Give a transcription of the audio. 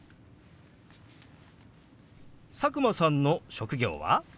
佐久間さんの職業は？